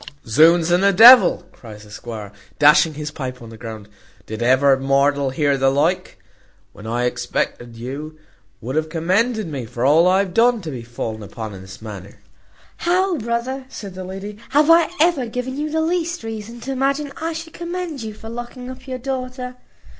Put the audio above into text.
"Z ds and the devil!" cries the squire, dashing his pipe on the ground; "did ever mortal hear the like? when I expected you would have commended me for all I have done, to be fallen upon in this manner!" "How, brother!" said the lady, "have I ever given you the least reason to imagine I should commend you for locking up your daughter?